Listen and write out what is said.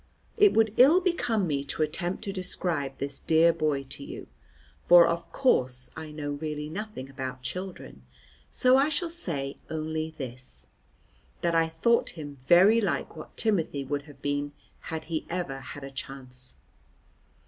It would ill become me to attempt to describe this dear boy to you, for of course I know really nothing about children, so I shall say only this, that I thought him very like what Timothy would have been had he ever had a chance.